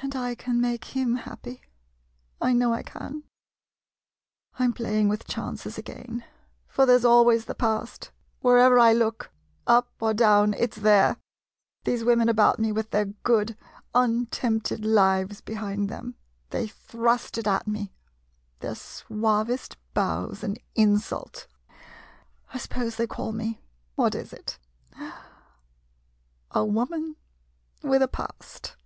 [Softly.] And I can make him happy — I know I can ! I 'm playing with chances again — for there 's always the past. Wherever I look — up or down — it 's there ! These women about me, with their good, untempted lives behind them, they thrust it at me — their suavest bows an insult! I suppose they call me — what is it ?—" a wo man with a past."